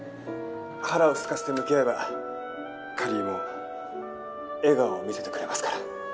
腹をすかせて向き合えばカリーも笑顔を見せてくれますから。